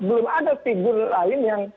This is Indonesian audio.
belum ada figur lain yang